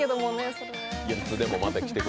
それは。